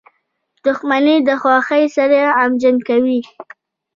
• دښمني د خوښۍ سړی غمجن کوي.